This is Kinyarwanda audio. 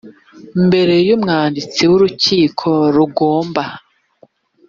imbere y umwanditsi w urukiko rugomba